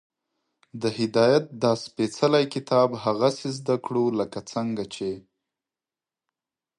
د هدایت دا سپېڅلی کتاب هغسې زده کړو، لکه څنګه چې